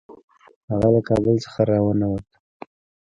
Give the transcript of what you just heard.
هغه له کابل څخه را ونه ووت.